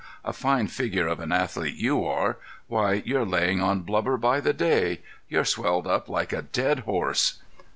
A fine figure of an athlete you are! Why, you're laying on blubber by the day! You're swelled up like a dead horse."